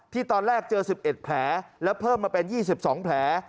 ตอนแรกเจอ๑๑แผลแล้วเพิ่มมาเป็น๒๒แผล